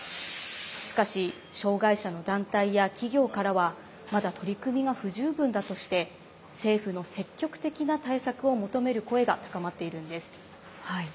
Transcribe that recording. しかし、障害者の団体や企業からはまだ取り組みが不十分だとして政府の積極的な対策を求める声が高まっているんです。